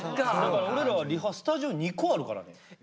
俺らはリハスタジオ２個あるからね。